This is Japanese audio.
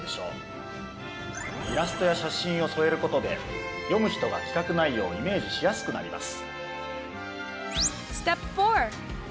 イラストや写真をそえることで読む人が企画内容をイメージしやすくなります。